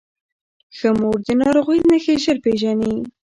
ښه مور د ناروغۍ نښې ژر پیژني.